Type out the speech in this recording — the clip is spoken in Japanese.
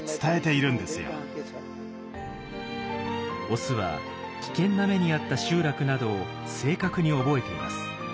オスは危険な目に遭った集落などを正確に覚えています。